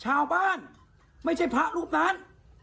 ชาวบ้านไม่ใช่พระรูปนาน